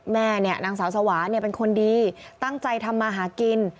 นางสาวสวาเป็นคนดีตั้งใจทำมาหากิน